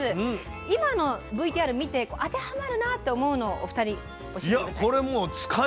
今のＶＴＲを見て当てはまるなと思うのをお二人、教えてください。